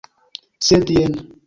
Sed jen!